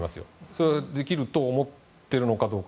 それができると思っているのかどうか。